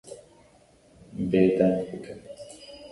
Bêdeng bike.